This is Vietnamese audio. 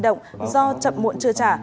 do chậm muộn chưa trả